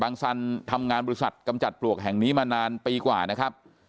สันทำงานบริษัทกำจัดปลวกแห่งนี้มานานปีกว่านะครับ